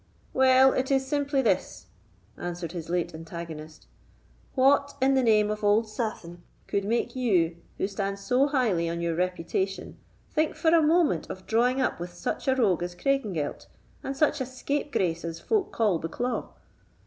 "Well, it is simply this," answered his late antagonist "What, in the name of old Sathan, could make you, who stand so highly on your reputation, think for a moment of drawing up with such a rogue as Craigengelt, and such a scapegrace as folk call Bucklaw?"